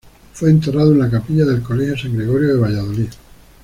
Fue enterrado en la capilla del Colegio de San Gregorio de Valladolid.